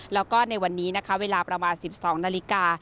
แล้วก็ในวันนี้นะคะเวลาประมาณ๑๒นาฬิกา